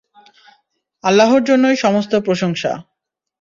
আল্লাহর জন্যেই সমস্ত প্রশংসা।